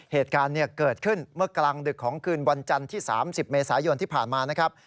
เหตุการณ์เกิดขึ้นเมื่อกลางดึกของคืนวันจันทร์ที่๓๐เมษายนที่ผ่านมานะครับ